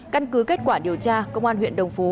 căn cứ kết quả điều tra công an huyện đồng phú